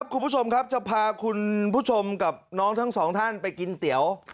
คุณผู้ชมครับจะพาคุณผู้ชมกับน้องทั้งสองท่านไปกินเตี๋ยว